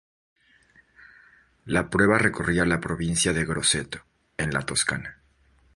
La prueba recorría la Provincia de Grosseto, en la Toscana.